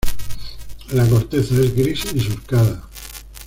La corteza es gris y surcada.